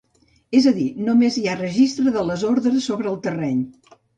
És a dir, només hi ha registre de les ordres sobre el terreny.